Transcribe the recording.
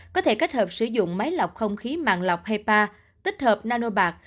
có thể kết hợp sử dụng máy lọc không khí mạng lọc hepa tích hợp nanobat